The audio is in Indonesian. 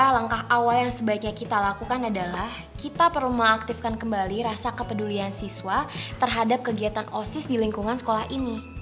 langkah awal yang sebaiknya kita lakukan adalah kita perlu mengaktifkan kembali rasa kepedulian siswa terhadap kegiatan osis di lingkungan sekolah ini